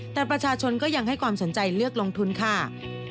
แต่ประชาชนก็ยังให้ความสนใจเลือกลงทุนค่ะ